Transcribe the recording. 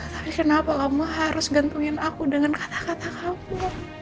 tapi kenapa lama harus gantungin aku dengan kata kata kamu